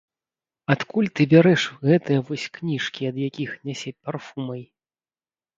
Адкуль ты бярэш гэтыя вось кніжкі, ад якіх нясе парфумай?